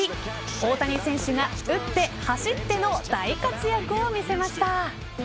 大谷選手が打って走っての大活躍を見せました。